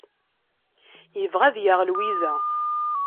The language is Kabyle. Yebɣa ad yaɣ Lwiza.